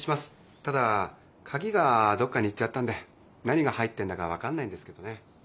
ただ鍵がどっかにいっちゃったんで何が入ってんだか分かんないんですけどね。